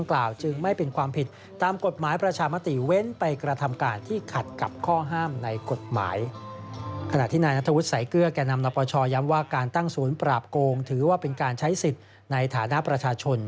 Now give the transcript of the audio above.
คุณสายเกลือกแกนำนวยยว่าการตั้งศูนย์ปราบโครงถือว่าการใช้สิทธิ์ในฐานะประชาชน